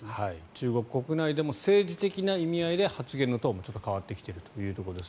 中国国内でも政治的な意味合いで発言のトーンも変わってきているというところです。